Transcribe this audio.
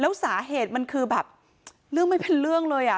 แล้วสาเหตุมันคือแบบเรื่องไม่เป็นเรื่องเลยอ่ะ